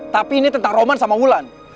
tapi ini tentang roman sama wulan